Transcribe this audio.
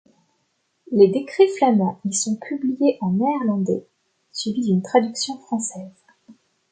Les décrets flamands y sont publiés en néerlandais, suivis d'une traduction française.